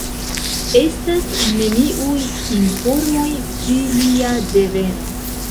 Estas neniuj informoj pri lia deveno.